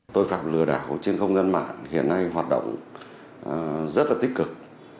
tội phạm lừa đảo trên không gian mạng hiện nay hoạt động rất là tích cực